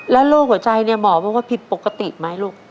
แล้วโรคหัวใจเนี่ยหมอบอกว่าผิดปกติไหมลูก